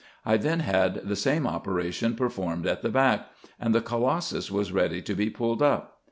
I then had the same operation performed at the back, and the colossus was ready to be pulled up.